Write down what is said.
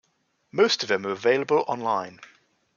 Most of them are available online.